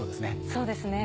そうですね